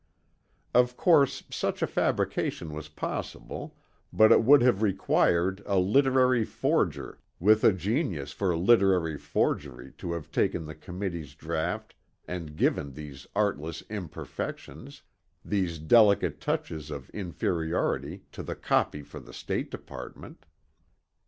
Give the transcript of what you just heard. Of course such a fabrication was possible but it would have required a literary forger with a genius for literary forgery to have taken the Committee's draught and given these artless imperfections these delicate touches of inferiority to the copy for the State Department.